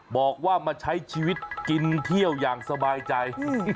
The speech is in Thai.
บอกว่ามาใช้ชีวิตกินเที่ยวอย่างสบายใจ